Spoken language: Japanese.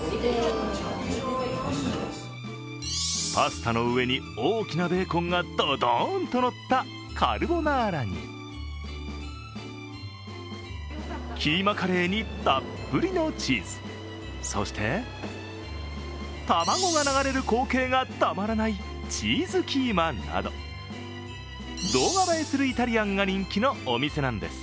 パスタの上に大きなベーコンがドドーンとのったカルボナーラに、キーマカレーにたっぷりのチーズ、そして卵が流れる光景がたまらないチーズキーマなど動画映えするイタリアンが人気のお店なんです。